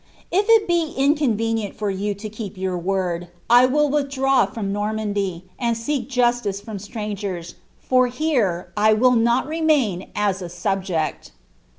'^ If it be inconvenient for you to keep your word, I will withdraw from Noi numdy, and seek justice f(x>m strangers ; for here 1 will not remain u a subject."